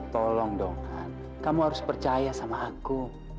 tolong dong kan kamu harus percaya sama aku